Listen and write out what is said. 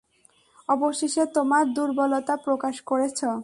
অবশেষে তোমার দূর্বলতা প্রকাশ করেছ।